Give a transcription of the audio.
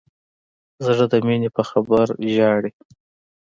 زړه د مینې په خبر ژاړي.